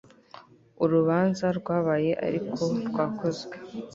Urubanza rwabaye ariko rwakozwe